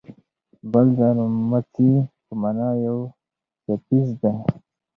بل د نومځي په مانا یو څپیز دی.